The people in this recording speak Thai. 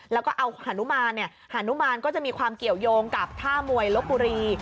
แล้วก็เอาฮานุมานหานุมานก็จะมีความเกี่ยวยงกับท่ามวยลบบุรี